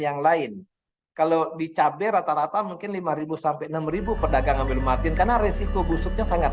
yang lain kalau dicabai rata rata mungkin lima ribu enam ribu perdagang ambil martin karena resiko busuknya sangat